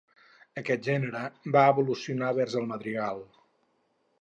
Aquest gènere va evolucionar vers el madrigal.